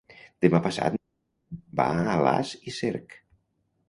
Demà passat na Lena va a Alàs i Cerc.